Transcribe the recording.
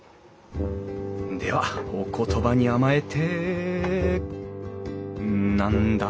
ではお言葉に甘えて何だ？